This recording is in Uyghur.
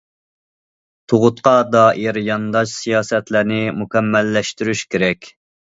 تۇغۇتقا دائىر يانداش سىياسەتلەرنى مۇكەممەللەشتۈرۈش كېرەك.